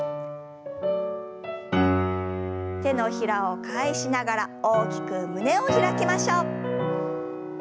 手のひらを返しながら大きく胸を開きましょう。